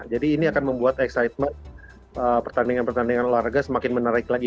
jadi ini akan membuat excitement pertandingan pertandingan olahraga semakin menarik lagi